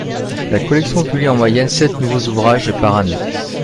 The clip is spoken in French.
La collection publie en moyenne sept nouveaux ouvrages par année.